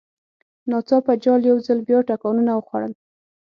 ناڅاپه جال یو ځل بیا ټکانونه وخوړل.